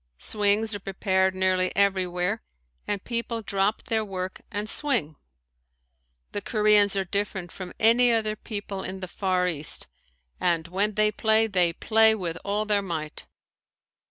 Swings are prepared nearly everywhere and people drop their work and swing. The Koreans are different from any other people in the far east and when they play they play with all their might.